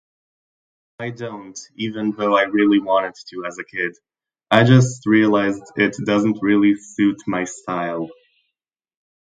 I don't, even though I really wanted to as a kid. I just realized it doesn't really suit my style.